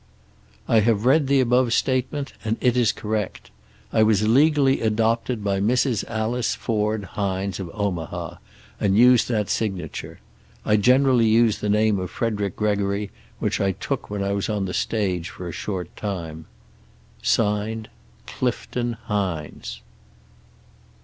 "I have read the above statement and it is correct. I was legally adopted by Mrs. Alice Ford Hines, of Omaha, and use that signature. I generally use the name of Frederick Gregory, which I took when I was on the stage for a short time. "(Signed) Clifton HINES."